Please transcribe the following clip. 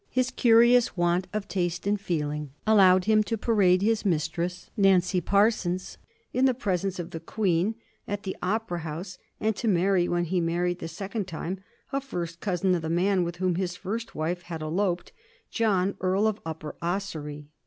His curious want of taste and feeling allowed him to parade his mistress, Nancy Parsons, in the presence of the Queen, at the Opera House, and to marry, when he married the second time, a first cousin of the man with whom his first wife had eloped, John, Earl of Upper Ossory.